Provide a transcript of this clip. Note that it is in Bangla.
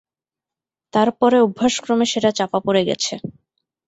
তার পরে অভ্যাসক্রমে সেটা চাপা পড়ে গেছে।